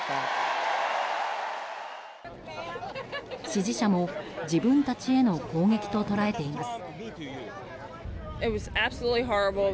支持者も自分たちへの攻撃と捉えています。